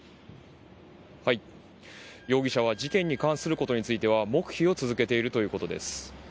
容疑者は事件に関することについては黙秘を続けているということです。